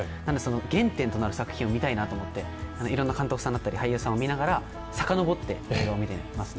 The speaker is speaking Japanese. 原点となる作品を見たいなと思っていろんな監督さんだったり俳優さんを見ながら、さかのぼって映画を見てますね。